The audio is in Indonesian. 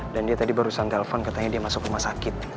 dan dia tadi barusan telepon katanya dia masuk rumah sakit